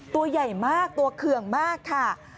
ตัวใหญ่มากตัวเคืองมากค่ะ